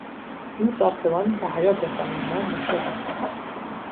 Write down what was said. این ساختمان به حیاط خانه ما مشرف است